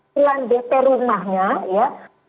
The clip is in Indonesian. silan dp rumahnya ya